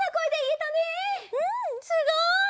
うんすごい！